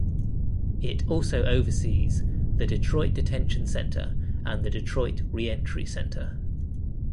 It also oversees the Detroit Detention Center and the Detroit Reentry Center.